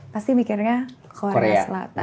pasti mikirnya korea selatan